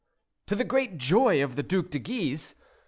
"To the great joy of the Duc de Guise.